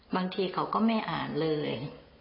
บางทีเขาก็ไม่อ่านเลย